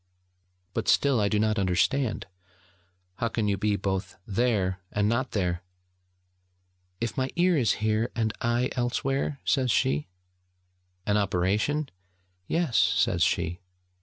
'But still I do not understand: how can you be both there and not there?' 'If my ear is here, and I elsewhere?' says she. 'An operation?' 'Yes!' says she.